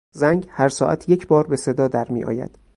زنگ هر ساعت یکبار به صدا در میآید.